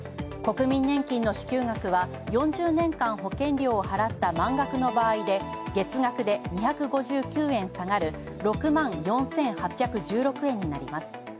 国民年金の支給額は４０年間保険料を払った満額の場合で月額で２５９円下がる、６万４８１６円になります。